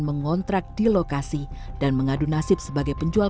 mengontrak di lokasi dan mengadu nasib sebagai penjual